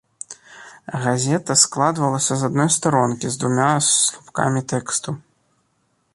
Газета складалася з адной старонкі з двума слупкамі тэксту.